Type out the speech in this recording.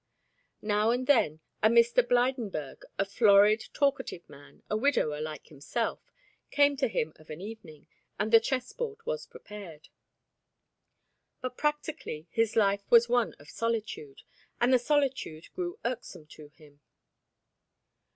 Now and then, a Mr. Blydenburg, a florid, talkative man, a widower like himself, came to him of an evening, and the chess board was prepared. But practically his life was one of solitude, and the solitude grew irksome to him.